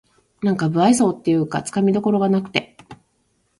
なんか無愛想っていうかつかみどころがなくて